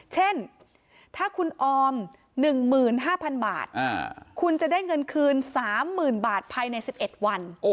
เช่นถ้าคุณออม๑๕๐๐๐บาทคุณจะได้เงินคืน๓๐๐๐บาทภายใน๑๑วัน